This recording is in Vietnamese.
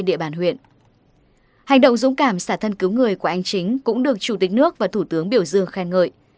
hành động dũng cảm xả thân cứu người của anh chính cũng được chủ tịch nước và thủ tướng biểu dương khen ngợi